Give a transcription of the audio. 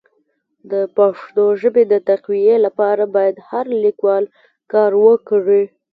د پښتو ژبي د تقويي لپاره باید هر لیکوال کار وکړي.